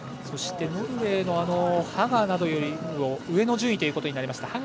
そしてノルウェーのハガなどより上の順位となりました。